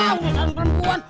nggak usah lu perempuan